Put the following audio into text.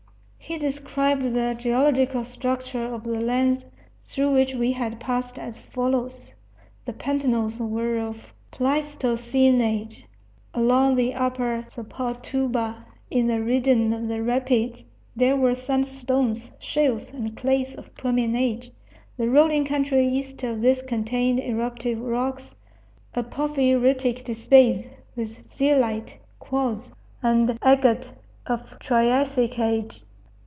He described the geological structure of the lands through which we had passed as follows: The pantanals were of Pleistocene age. Along the upper Sepotuba, in the region of the rapids, there were sandstones, shales, and clays of Permian age. The rolling country east of this contained eruptive rocks a porphyritic disbase, with zeolite, quartz, and agate of Triassic age.